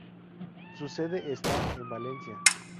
Su sede está en Valencia.